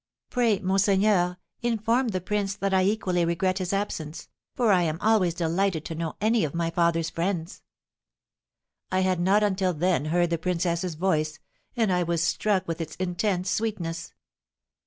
"Pray, monseigneur, inform the prince that I equally regret his absence, for I am always delighted to know any of my father's friends." I had not until then heard the princess's voice, and I was struck with its intense sweetness.